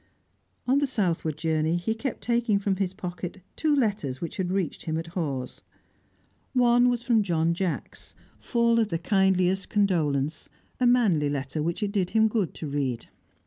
On the southward journey he kept taking from his pocket two letters which had reached him at Hawes. One was from John Jacks, full of the kindliest condolence; a manly letter which it did him good to read.